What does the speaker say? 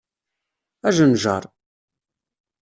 Ajenjar!